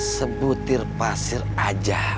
sebutir pasir aja